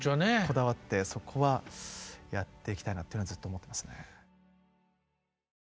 こだわってそこはやっていきたいなというのはずっと思ってますね。